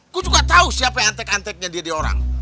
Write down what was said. gua juga tau siapa yang antek anteknya dia diorang